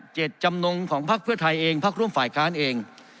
ตจำนงของพักเพื่อไทยเองพักร่วมฝ่ายค้านเอง